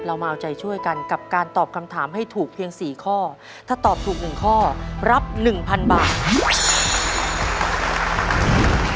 มาเอาใจช่วยกันกับการตอบคำถามให้ถูกเพียง๔ข้อถ้าตอบถูกหนึ่งข้อรับ๑๐๐๐บาท